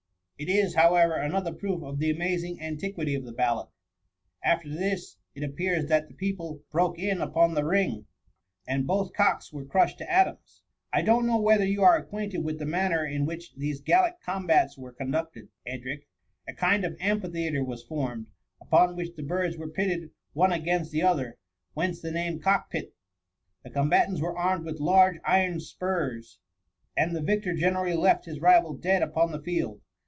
It is, however, another proof of the amazing anti. quity of the ballad. After this, it appears that the people broke in upon the ring, and both cocks were crushed to atoms. I donH know whether you are acquainted with the manner in which these gallic combats were conducted, Edric. A kind of am|diitheatre was formed, upon which the birds were pitted one against the other, whence the name cock pit. The combatants were armed with large iron spurs, and the victor generally left his rival dead upon the field.